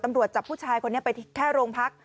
ตำรวจจับผู้ชายคนนี้ไปแค่โรงพัก